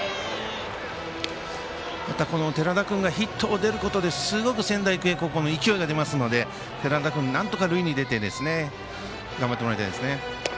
またこの寺田君がヒットで出ることですごく仙台育英高校の勢いが出ますので寺田君、なんとか塁に出て頑張ってもらいたいですね。